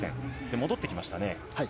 戻ってきましたね。